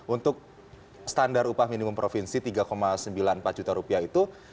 untuk standar upah minimum provinsi tiga sembilan puluh empat juta rupiah itu